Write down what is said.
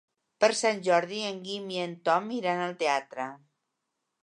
Per Sant Jordi en Guim i en Tom iran al teatre.